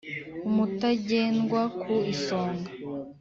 Umutagendwa ku isonga,